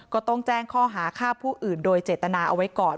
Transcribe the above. ก็ต้องแจ้งข้อหาฆ่าผู้อื่นโดยเจตนาเอาไว้ก่อน